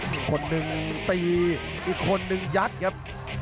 อีกคนนึงตีอีกคนนึงยัดครับ